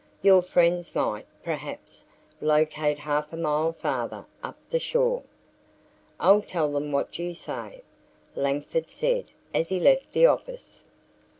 Your friends might, perhaps, locate half a mile farther up the shore." "I'll tell them what you say," Langford said as he left the office.